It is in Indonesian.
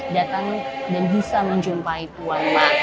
datang dan bisa menjumpai tuan ma